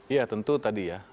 iya tentu tadi ya